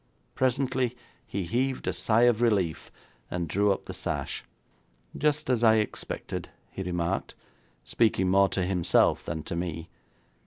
Presently he heaved a sigh of relief, and drew up the sash. 'Just as I expected,' he remarked, speaking more to himself than to me.